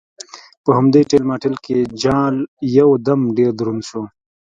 په همدې ټېل ماټېل کې جال یو دم ډېر دروند شو.